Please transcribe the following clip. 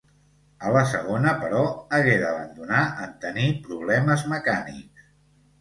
A la segona, però, hagué d'abandonar en tenir problemes mecànics.